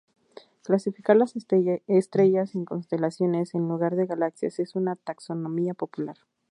Clasificar las estrellas en constelaciones en lugar de galaxias es una taxonomía popular.